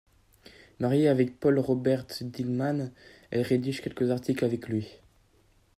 Mariée avec Paul Robert Deeleman, elle rédige quelques articles avec lui.